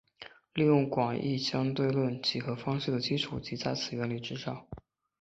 利用广义相对论几何方式的基础即在此原理之上。